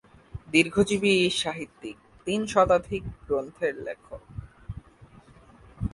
দীর্ঘজীবী এই সাহিত্যিক তিন শতাধিক গ্রন্থের লেখক।